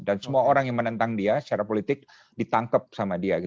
dan semua orang yang menentang dia secara politik ditangkep sama dia